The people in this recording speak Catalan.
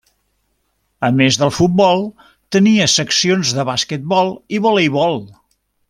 A més del futbol tenia seccions de basquetbol i voleibol.